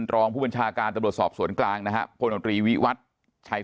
รองผู้บัญชาการตำรวจสอบสวนกลางนะฮะพลตรีวิวัตรชัย